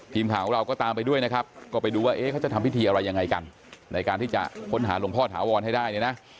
ทีมข่าวของเราก็ตามไปด้วยนะครับก็ไปดูว่าเอ๊ะเขาจะทำพิธีอะไรยังไงกันในการที่จะค้นหาหลวงพ่อถาวรให้ได้เนี่ยนะ